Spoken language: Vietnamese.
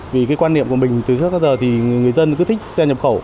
vì cái quan niệm của mình từ trước đến giờ thì người dân cứ thích xe nhập khẩu